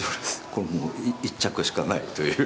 これもう１着しかないという。